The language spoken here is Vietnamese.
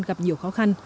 gặp nhiều khó khăn